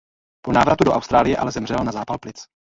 Po návratu do Austrálie ale zemřel na zápal plic.